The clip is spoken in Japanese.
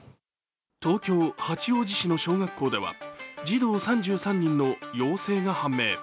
東京・八王子市の小学校では児童３３人の陽性が判明。